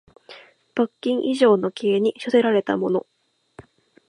罰金以上の刑に処せられた者